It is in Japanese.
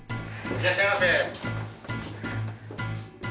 いらっしゃいませ。